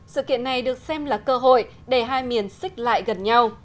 sự kiện này được xem là cơ hội để hai miền xích lại gần nhau